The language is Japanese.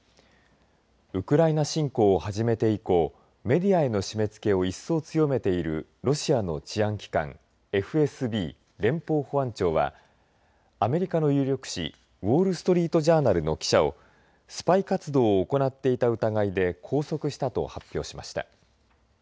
ウクライナ侵攻を始めて以降メディアへの締めつけを一層強めているロシアの治安機関ＦＳＢ、連邦保安庁はアメリカの有力紙ウォール・ストリート・ジャーナルの記者をスパイ活動を行っていた疑いで拘束したと発表しました。